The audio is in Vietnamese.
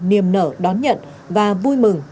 nở đón nhận và vui mừng